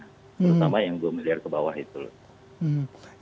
terutama yang dua miliar ke bawah itu